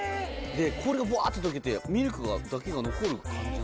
氷がぶわって溶けてミルクだけが残る感じ。